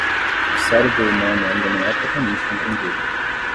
O cérebro humano ainda não é totalmente compreendido.